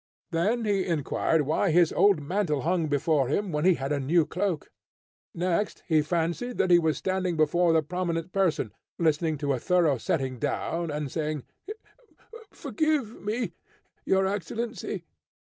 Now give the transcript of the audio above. Then he inquired why his old mantle hung before him when he had a new cloak. Next he fancied that he was standing before the prominent person, listening to a thorough setting down and saying, "Forgive me, your excellency!"